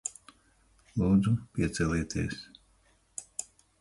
Lūdzu, piecelieties.